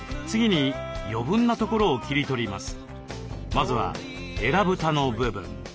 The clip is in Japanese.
まずはえら蓋の部分。